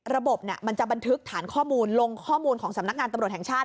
ระบบมันจะบันทึกฐานข้อมูลลงข้อมูลของสำนักงานตำรวจแห่งชาติ